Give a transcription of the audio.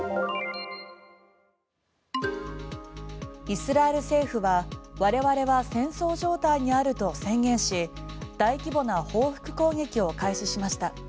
イスラエル政府は我々は戦争状態にあると宣言し大規模な報復攻撃を開始しました。